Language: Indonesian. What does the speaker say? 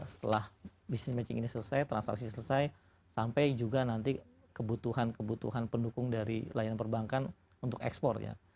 setelah business matching ini selesai transaksi selesai sampai juga nanti kebutuhan kebutuhan pendukung dari layanan perbankan untuk ekspor ya